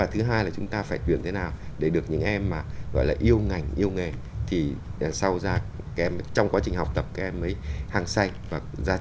thứ hai là chúng ta phải tuyển thế nào để được những em mà gọi là yêu ngành yêu nghề thì trong quá trình học tập các em mới hăng sanh và ra trường thì các em mới có thành công yên tốt được